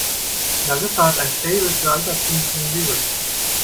Larissa hat ein Faible für altertümliche Lyrik.